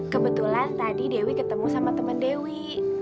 kebetulan tadi dewi ketemu sama teman dewi